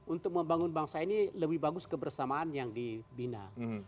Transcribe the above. untuk membangun bangsa ini lebih bagus kebersamaan yang dibina